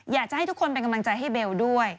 อยากจะให้ทุกคนเป็นกำลังใจให้เบลด้วย